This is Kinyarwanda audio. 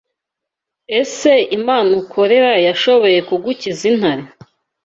Ese Imana ukorera yashoboye kugukiza intare